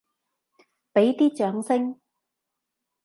畀啲掌聲！